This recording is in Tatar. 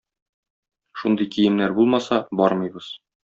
Шундый киемнәр булмаса, бармыйбыз.